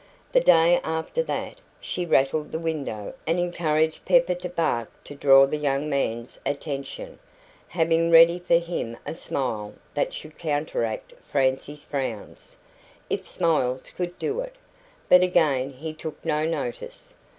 The day after that, she rattled the window and encouraged Pepper to bark to draw the young man's attention, having ready for him a smile that should counteract Francie's frowns, if smiles could do it; but again he took no notice.